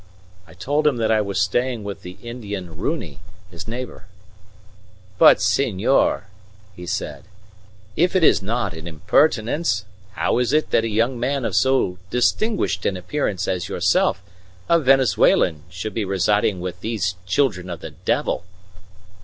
I told him that I was staying with the Indian Runi, his neighbour. "But, senor," he said, "if it is not an impertinence, how is it that a young man of so distinguished an appearance as yourself, a Venezuelan, should be residing with these children of the devil?"